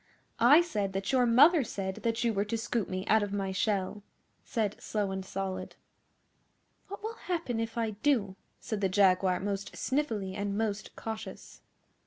I said that your mother said that you were to scoop me out of my shell,' said Slow and Solid. 'What will happen if I do?' said the Jaguar most sniffily and most cautious.